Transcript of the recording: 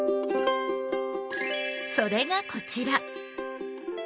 それがこちら。